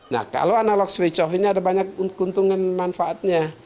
nah kalau analog switch off ini ada banyak keuntungan manfaatnya